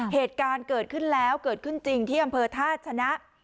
เหตุการณ์เกิดขึ้นแล้วเกิดขึ้นจริงที่อำเภอท่าชนะ